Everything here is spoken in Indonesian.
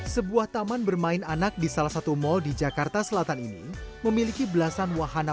sebuah taman bermain anak di salah satu mal di jakarta selatan ini memiliki belasan wahana